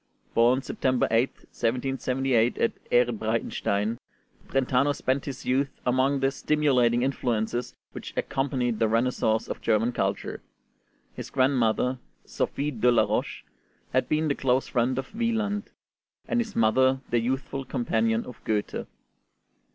Born September 8th, 1778, at Ehrenbreitstein, Brentano spent his youth among the stimulating influences which accompanied the renaissance of German culture. His grandmother, Sophie de la Roche, had been the close friend of Wieland, and his mother the youthful companion of Goethe.